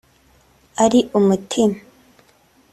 ari umutima